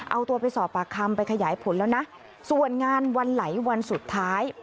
เอาตัวไปสอบปากคำไปขยายผลแล้วนะส่วนงานวันไหลวันสุดท้าย